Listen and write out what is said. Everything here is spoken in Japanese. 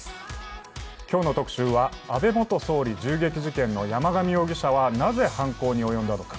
今日の「特集」は安倍元総理銃撃事件の山上容疑者はなぜ犯行に及んだのか。